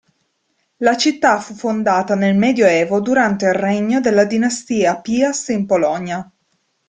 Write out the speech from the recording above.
La città fu fondata nel Medioevo durante il regno della dinastia Piast in Polonia.